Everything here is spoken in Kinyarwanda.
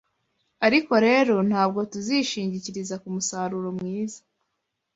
Ariko rero ntabwo tuzishingikiriza ku musaruro mwiza